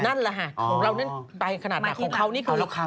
นั่นแหละค่ะครอบคราวนี้ใครก็ฆ่าอีกขนาดแบบ